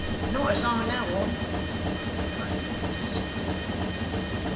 'Not as I know on,' replied the 'prentice.